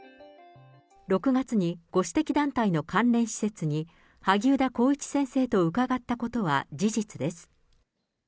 ６月にご指摘団体の関連施設に、萩生田光一先生とうかがったことは事実です。